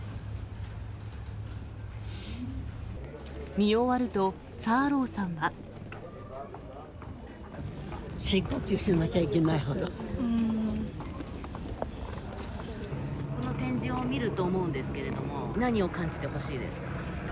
見終わると、サーローさんは。深呼吸しなきゃいけないほど。この展示を見ると思うんですけれども、何を感じてほしいですか。